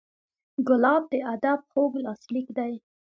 ګلاب د ادب خوږ لاسلیک دی.